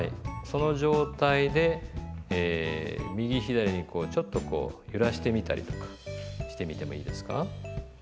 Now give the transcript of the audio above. その状態で右左にこうちょっとこう揺らしてみたりとかしてみてもいいですか。